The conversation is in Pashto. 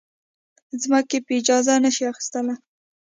ځمکې په اجاره نه شي اخیستلی.